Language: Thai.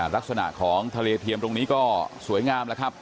ลักษณะของทะเลเทียมตรงนี้ก็สวยงามแล้วครับ